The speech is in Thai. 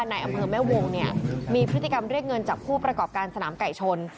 ในอำเภอแม่วงเนี่ยมีพฤติกรรมเรียกเงินจากผู้ประกอบการสนามไก่ชน